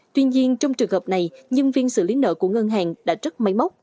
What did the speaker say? tuy nhiên trong trường hợp này nhân viên xử lý nợ của ngân hàng đã rất mấy mốc